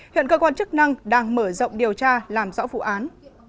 hiện cơ quan chức năng đang mở rộng điều tra làm rõ vụ án